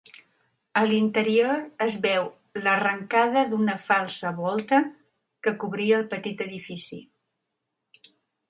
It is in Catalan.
A l'interior es veu l'arrencada d'una falsa volta, que cobria el petit edifici.